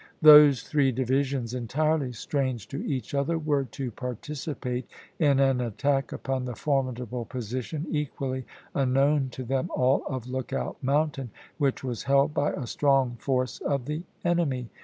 Those three divisions, entirely strange to each other, were to participate in ,an attack upon the formidable position, equally unknown to them all, of Lookout Mountain, which was held by a strong force of the enemy.